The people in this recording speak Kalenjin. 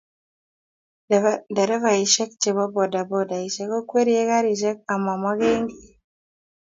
nderefaishek chebo bodabodaishek kokwerie karishek ama magenkiy